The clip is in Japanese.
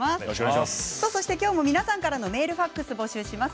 今日も皆さんからのメール、ファックスを募集します。